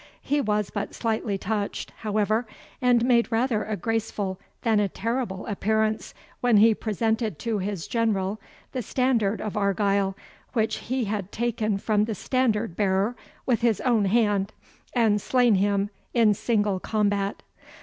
He was but slightly touched, however, and made rather a graceful than a terrible appearance when he presented to his general the standard of Argyle, which he had taken from the standard bearer with his own hand, and slain him in single combat.